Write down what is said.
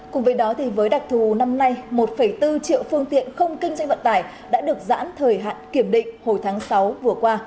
cùng với đó với đặc thù năm nay một bốn triệu phương tiện không kinh doanh vận tải đã được giãn thời hạn kiểm định hồi tháng sáu vừa qua